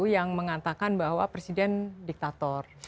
yang mengatakan bahwa presiden diktator